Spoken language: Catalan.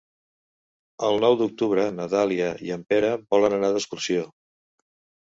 El nou d'octubre na Dàlia i en Pere volen anar d'excursió.